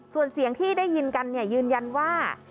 ส่วนเสียงที่ได้ยินกันยืนยันว่า